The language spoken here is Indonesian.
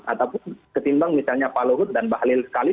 ataupun ketimbang misalnya pak lohut dan pak halil sekali